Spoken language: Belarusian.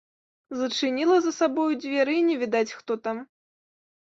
Зачыніла за сабою дзверы, і не відаць, хто там.